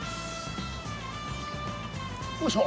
おいしょ。